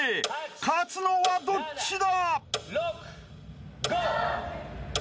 ［勝つのはどっちだ！？］